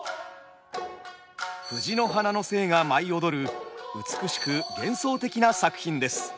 藤の花の精が舞い踊る美しく幻想的な作品です。